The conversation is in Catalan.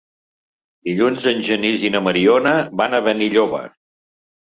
Dilluns en Genís i na Mariona van a Benilloba.